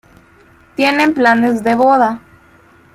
Tienen planes de boda.